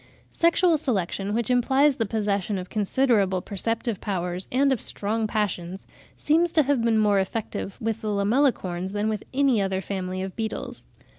Sexual selection, which implies the possession of considerable perceptive powers and of strong passions, seems to have been more effective with the Lamellicorns than with any other family of beetles.